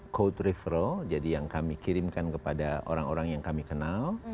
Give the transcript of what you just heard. code refral jadi yang kami kirimkan kepada orang orang yang kami kenal